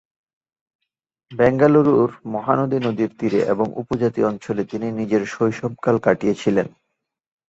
বেঙ্গালুরুর মহানদী নদীর তীরে এবং উপজাতি অঞ্চলে তিনি নিজের শৈশবকাল কাটিয়েছিলেন।